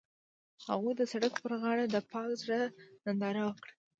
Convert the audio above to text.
هغوی د سړک پر غاړه د پاک زړه ننداره وکړه.